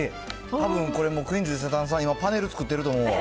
たぶんこれ、クイーンズ伊勢丹さん、たぶん今、パネル作ってると思うわ。